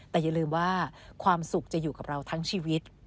แต่อย่าลืมว่าความสุขจะอยู่กับเราทั้งชีวิต